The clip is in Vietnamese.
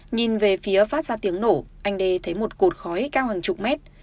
nhìn về phía phát ra tiếng nổ anh đê thấy một cột khói cao hàng chục mét